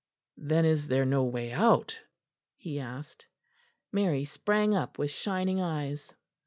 "Then is there no way out?" he asked. Mary sprang up with shining eyes.